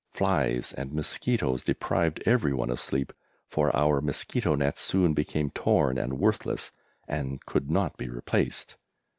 Flies and mosquitoes deprived everyone of sleep, for our mosquito nets soon became torn and worthless, and could not be replaced.